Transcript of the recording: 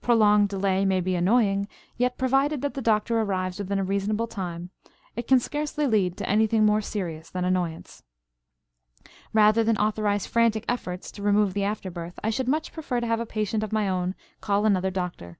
Prolonged delay may be annoying, yet, provided that the doctor arrives within a reasonable time, it can scarcely lead to anything more serious than annoyance. Rather than authorize frantic efforts to remove the afterbirth, I should much prefer to have a patient of my own call another doctor.